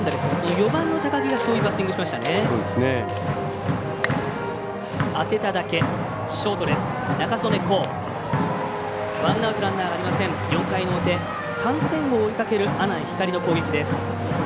４回の表３点を追いかける阿南光の攻撃です。